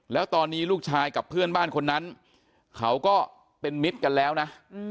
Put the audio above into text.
แล้วตอนนี้ลูกชายกับเพื่อนบ้านคนนั้นเขาก็เป็นมิตรกันแล้วนะ